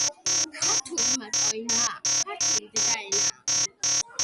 მუშაობს სასაზღვრო საგუშაგო და საბაჟო.